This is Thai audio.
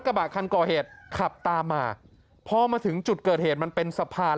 กระบะคันก่อเหตุขับตามมาพอมาถึงจุดเกิดเหตุมันเป็นสะพาน